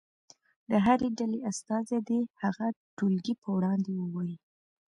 د هرې ډلې استازی دې هغه ټولګي په وړاندې ووایي.